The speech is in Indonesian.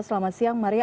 selamat siang maria